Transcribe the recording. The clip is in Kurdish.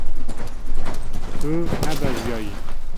Tu nebeziyayî.